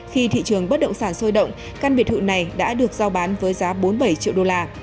khi thị trường bất động sản sôi động căn biệt thự này đã được giao bán với giá bốn mươi bảy triệu đô la